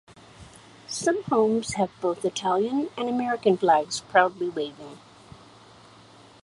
Some homes have both Italian and American flags proudly waving.